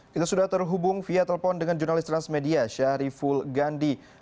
kita sudah terhubung via telepon dengan jurnalis transmedia syahriful gandhi